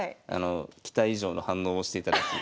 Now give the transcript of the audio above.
期待以上の反応をしていただき。